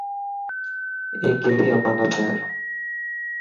اي ڪيري امانت هي.